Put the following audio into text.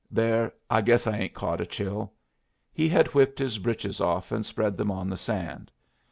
There, I guess I ain't caught a chill." He had whipped his breeches off and spread them on the sand.